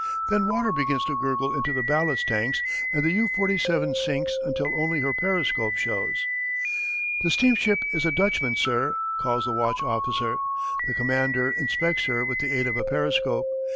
Then water begins to gurgle into the ballast tanks, and U 47 sinks until only her periscope shows. "The steamship is a Dutchman, sir," calls the watch officer. The commander inspects her with the aid of a periscope.